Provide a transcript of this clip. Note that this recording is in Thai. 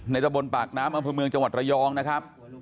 ตะบนปากน้ำอำเภอเมืองจังหวัดระยองนะครับ